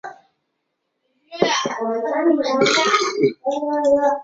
马克特圣马丁是奥地利布尔根兰州上普伦多夫县的一个市镇。